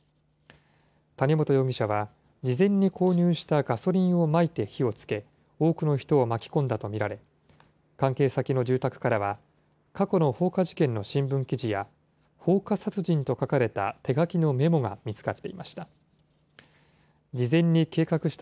谷本容疑者は事前に購入したガソリンをまいて火をつけ、多くの人を巻き込んだと見られ、関係先の住宅からは、過去の放火事件の新聞記事や、放火殺人と書かれた手書きのメモが見つかっていました。